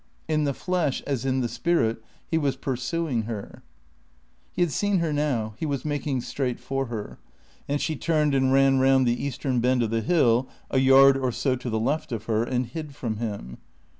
In the flesh, as in the spirit, he was pursuing her. He had seen her now. He was making straight for her. And she turned and ran round the eastern bend of the hill (a yard or so to the left of her) and hid from him.